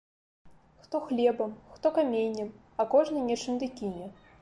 Хто хлебам, хто каменнем, а кожны нечым ды кіне.